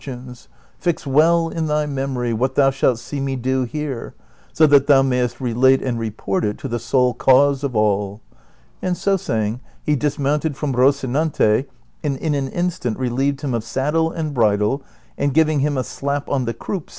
195 fix well in thy memoiy what thou shalt see me do here, so that thou mayest relate and report it to the sole cause of all," and so saying he dismounted from Kocinante, and in an instant relieved him of saddle and bridle, and giving him a slap on the croui?